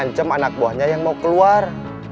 gak ngancam anak buahnya yang mau keluar